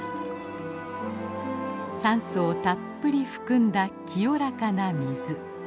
酸素をたっぷり含んだ清らかな水。